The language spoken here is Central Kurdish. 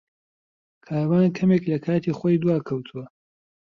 کاروان کەمێک لە کاتی خۆی دواکەوتووە.